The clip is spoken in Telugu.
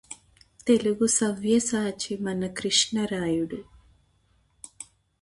తెలుగుసవ్యసాచి మన కృష్ణరాయుడు